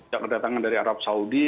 sejak kedatangan dari arab saudi